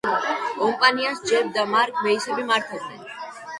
ომპანიას ჯეფ და მარკ ბეისები მართავდნენ.